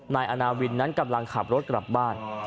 นายอาณาวินนั้นกำลังขับรถกลับบ้าน